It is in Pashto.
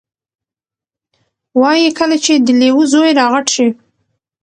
وایي کله چې د لیوه زوی را غټ شي،